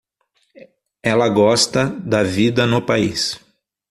Ela gosta da vida no país